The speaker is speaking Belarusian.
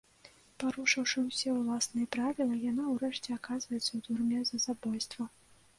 Парушыўшы ўсе ўласныя правілы, яна ўрэшце аказваецца ў турме за забойства.